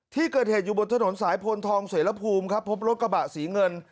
ที่เกิดเหตุอยู่บนถนนสายพลทองเสรภูมิครับพบรถกระบะสีเงิน